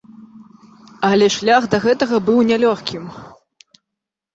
Але шлях да гэтага быў нялёгкім.